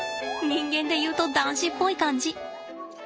人間で言うと男子っぽい感じ。